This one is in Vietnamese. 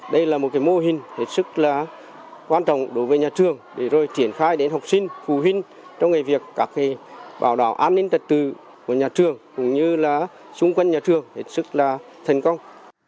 đây là một mô hình rất quan trọng đối với nhà trường để rồi triển khai đến học sinh phụ huynh trong ngày việc các bảo đảo an ninh tật tự của nhà trường cũng như là xung quanh nhà trường rất là thành công